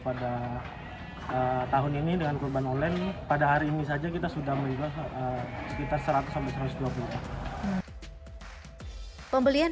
pada tahun ini dengan kurban online pada hari ini saja kita sudah menjual sekitar seratus satu ratus dua puluh pembelian